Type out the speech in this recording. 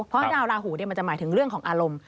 เพราะดาวราหูมันจะหมายถึงเรื่องของอารมณ์